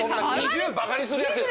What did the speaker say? ２０ばかにするヤツ